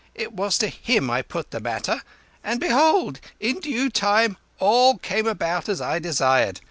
It was to him I put the matter, and behold in the due time all came about as I desired.